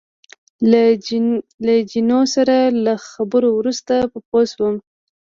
له جینو سره له خبرو وروسته پوه شوم.